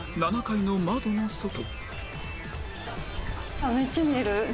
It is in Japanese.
７階の窓の外